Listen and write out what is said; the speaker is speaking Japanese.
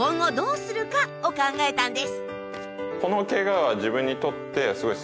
を考えたんです。